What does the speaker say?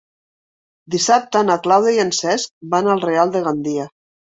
Dissabte na Clàudia i en Cesc van al Real de Gandia.